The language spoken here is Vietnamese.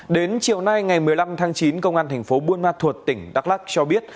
đến chiều nay ngày một mươi năm tháng chín công an thành phố buôn ma thuột tỉnh đắk lắc cho biết